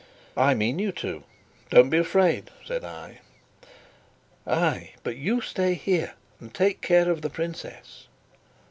"I mean you to go don't be afraid," said I. "Ay, but do you stay here, and take care of the princess."